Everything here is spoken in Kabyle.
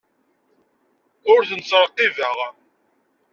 Ur ten-ttṛekkibeɣ.